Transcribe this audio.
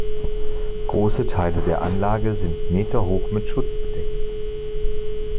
Große Teile der Anlage sind meterhoch mit Schutt bedeckt.